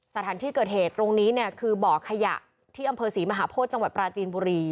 สถานที่เกิดเหตุตรงนี้เนี่ยคือบ่อขยะที่อำเภอศรีมหาโพธิจังหวัดปราจีนบุรี